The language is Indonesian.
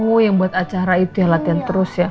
oh yang buat acara itu ya latihan terus ya